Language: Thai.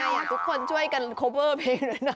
อยากทุกคนช่วยกันโคเวอร์เพลงเลยนะ